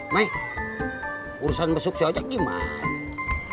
maik urusan besuk si ojak gimana